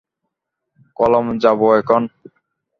কলম যাবো এখন।